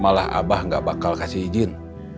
malah abah gak bakal kasih izin